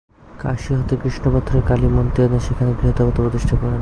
কাশী হতে কৃষ্ণ পাথরের কালী মুর্তি এনে সেখানে গৃহ দেবতা প্রতিষ্ঠা করেন।